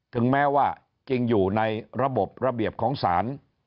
ถึงแม้ว่าจริงอยู่ในระบบระเบียบของศาล